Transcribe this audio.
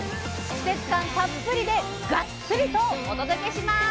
季節感たっぷりでガッツリとお届けします！